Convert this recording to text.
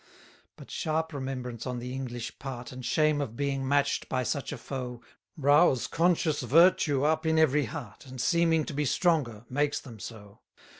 190 But sharp remembrance on the English part, And shame of being match'd by such a foe, Rouse conscious virtue up in every heart, And seeming to be stronger makes them so.